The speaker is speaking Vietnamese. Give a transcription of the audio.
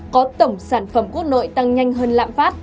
có tổng sản phẩm quốc nội tăng nhanh hơn lạm phát